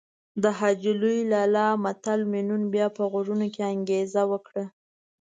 د حاجي لوی لالا متل مې نن بيا په غوږونو کې انګازه وکړه.